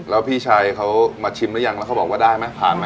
แล้วพี่ชายเขามาชิมแล้วยังแล้วเขาบอกว่าได้มั้ยผ่านมั้ย